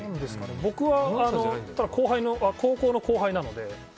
僕は高校の後輩なので。